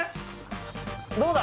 どうだ？